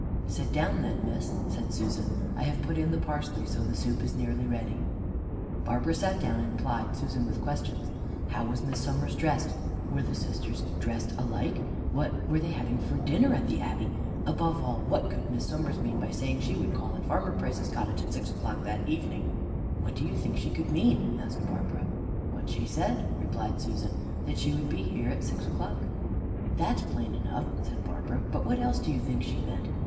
"Sit down then, miss," said Susan, "I have put in the parsley, so the soup is nearly ready." Barbara sat down and plied Susan with questions. How was Miss Somers dressed? Were the sisters dressed alike? What were they having for dinner at the Abbey? Above all, what could Miss Somers mean by saying she would call at Farmer Price's cottage at six o'clock that evening? "What do you think she could mean?" asked Barbara. "What she said," replied Susan, "that she would be here at six o'clock." "That's plain enough," said Barbara, "but what else do you think she meant?